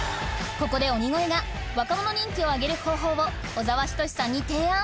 ここで鬼越が若者人気を上げる方法を小沢仁志さんに提案！